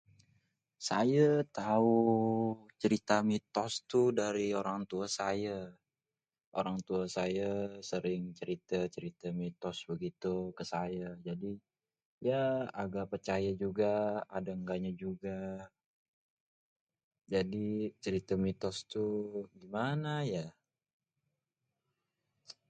Saye tau cerita mitos tuh dari orang tua saye, orang tua saye sering cerite-cerite mitos begitu ke saye, jadi, ya aga percaya juga ada engga nya juga, jadi cerita mitos tuh gimana ya